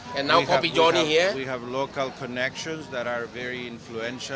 dan sekarang kita memiliki hubungan lokal yang sangat berinfluensi